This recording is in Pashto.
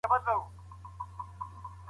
نیک نوم تر شتمنۍ غوره دی.